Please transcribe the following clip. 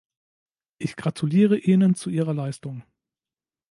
Ich gratuliere Ihnen zu Ihrer Leistung.